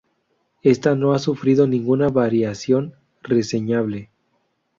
Ésta no ha sufrido ninguna variación reseñable.